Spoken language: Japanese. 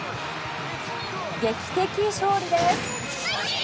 劇的勝利です！